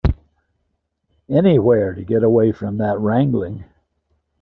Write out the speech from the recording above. Anywhere to get away from that wrangling.